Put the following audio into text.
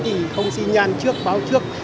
thì không xin nhan trước báo trước